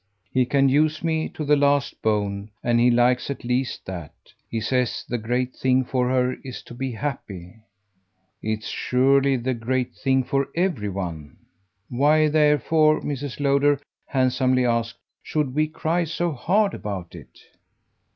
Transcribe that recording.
He can use me to the last bone, and he likes at least that. He says the great thing for her is to be happy." "It's surely the great thing for every one. Why, therefore," Mrs. Lowder handsomely asked, "should we cry so hard about it?"